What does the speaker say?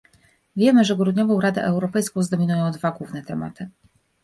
Wiemy, że grudniową Radę Europejską zdominują dwa główne tematy